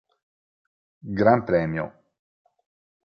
Gran Premio